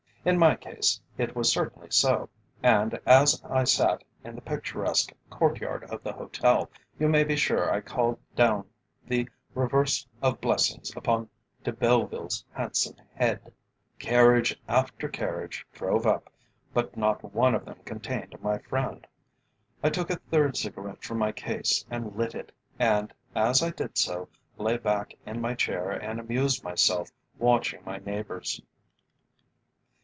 In my case it was certainly so, and, as I sat in the picturesque courtyard of the hotel, you may be sure I called down the reverse of blessings upon De Belleville's handsome head. Carriage after carriage drove up, but not one of them contained my friend. I took a third cigarette from my case and lit it, and as I did so, lay back in my chair and amused myself watching my neighbours.